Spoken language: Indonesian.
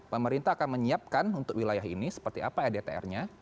pemerintah akan menyiapkan untuk wilayah ini seperti apa edtr nya